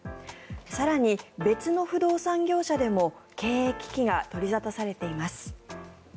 更に、別の不動産業者でも経営危機が取り沙汰されています。